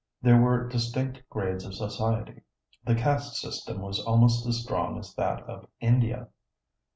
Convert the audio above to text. There were distinct grades of society. The caste system was almost as strong as that of India.